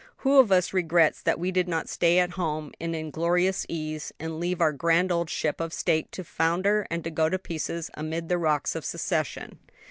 Who of us regrets that we did not stay at home in inglorious ease, and leave our grand old ship of state to founder and go to pieces amid the rocks of secession?"